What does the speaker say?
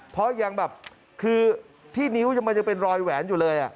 เพราะยังแบบคือที่นิ้วยังมันยังเป็นรอยแหวนอยู่เลย